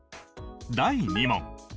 第２問。